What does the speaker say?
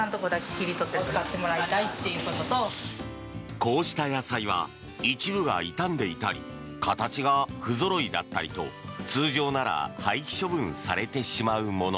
こうした野菜は一部が傷んでいたり形が不ぞろいだったりと通常なら廃棄処分されてしまうもの。